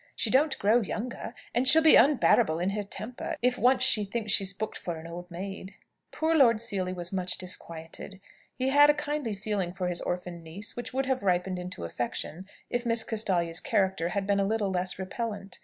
She don't grow younger; and she'll be unbearable in her temper, if once she thinks she's booked for an old maid." Poor Lord Seely was much disquieted. He had a kindly feeling for his orphan niece, which would have ripened into affection if Miss Castalia's character had been a little less repellent.